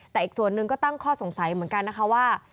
แต่อีกส่วนหนึ่งก็ตั้งข้อสงสัยเหมือนกันนะคะว่า